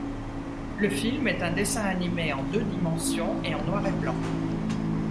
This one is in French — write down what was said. Le film est un dessin animé en deux dimensions et en noir et blanc.